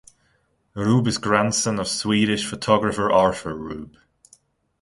Rube is grandson of Swedish photographer Arthur Rube.